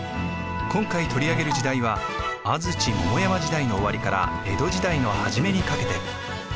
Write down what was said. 今回取り上げる時代は安土桃山時代の終わりから江戸時代の初めにかけて。